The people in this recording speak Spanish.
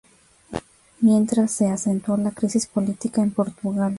Mientras, se acentuó la crisis política en Portugal.